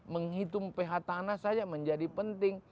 menghitung ph tanah saja menjadi penting